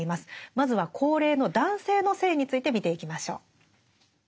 まずは高齢の男性の性について見ていきましょう。